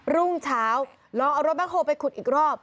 รุ่งเช้าลองเอารถแบ็คโฮลไปขุดอีกรอบ